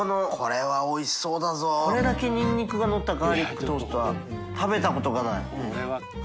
これだけニンニクがのったガーリックトーストは戮燭海箸覆ぁ礇縫鵐縫